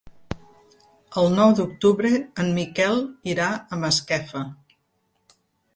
El nou d'octubre en Miquel irà a Masquefa.